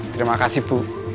terima kasih bu